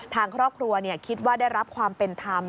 ทางครอบครัวคิดว่าได้รับความเป็นธรรม